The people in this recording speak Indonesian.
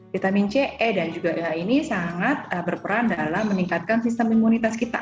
vitamin c e dan juga h ini sangat berperan dalam meningkatkan sistem imunitas kita